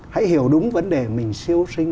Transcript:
hãy hiểu đúng vấn đề mình siêu sinh